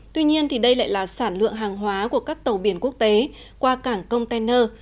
tuy nhiên đây lại là sản lượng hàng hóa của các tàu biển quốc tế qua cảng container